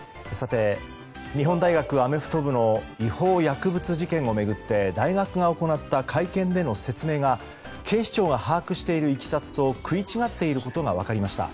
日本大学アメフト部の違法薬物事件を巡って大学が行った会見での説明が警視庁が把握しているいきさつと食い違っていることが分かりました。